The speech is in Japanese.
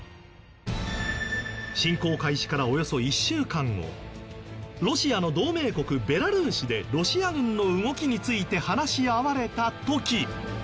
侵攻開始からおよそ１週間後ロシアの同盟国ベラルーシでロシア軍の動きについて話し合われた時。